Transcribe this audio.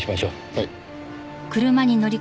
はい。